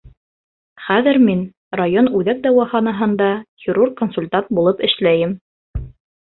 Хәҙер мин район үҙәк дауаханаһында хирург-консультант булып эшләйем.